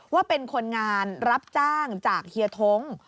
ว่าเป็นคนงานรับจ้างจากเฮียท้ง